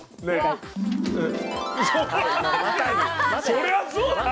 そりゃそうだよ。